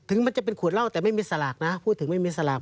มันจะเป็นขวดเหล้าแต่ไม่มีสลากนะพูดถึงไม่มีสลาก